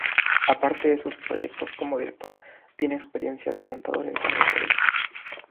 Aparte de sus proyectos como director, tiene experiencia de montador en cine y televisión.